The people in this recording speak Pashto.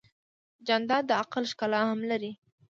جانداد د عقل ښکلا هم لري.